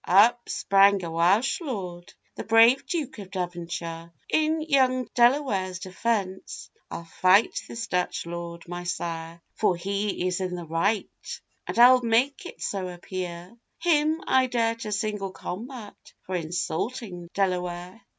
Up sprang a Welsh Lord, the brave Duke of Devonshire, 'In young Delaware's defence, I'll fight this Dutch Lord, my sire; 'For he is in the right, and I'll make it so appear: Him I dare to single combat, for insulting Delaware.